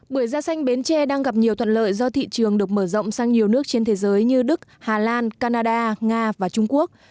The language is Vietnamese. bưởi da xanh bến tre đang gặp nhiều thuận lợi do thị trường được mở rộng sang nhiều nước trên thế giới như đức hà lan canada nga và trung quốc